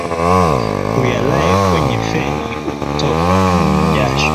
Huyalae kwenye feni ukatokwa n majasho